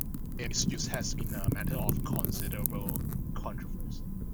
Their misuse has been a matter of considerable controversy.